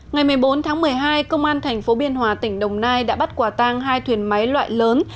ngày một mươi bốn tháng một mươi hai công an tp biên hòa tỉnh đồng nai đã bắt quả tang hai thuyền máy loại lớn